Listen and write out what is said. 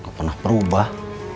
nggak pernah berubah